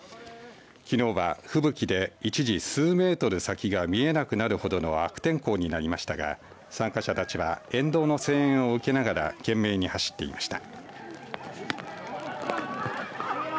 きのうは吹雪で一時数メートル先が見えなくなるほどの悪天候になりましたが参加者たちは沿道の声援を受けながら懸命に走っていました。